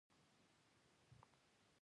قلم د ښو کلمو منځ ته راوړونکی دی